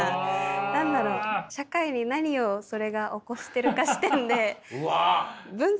何だろう社会に何をそれが起こしてるか視点で分析しちゃうんで多分。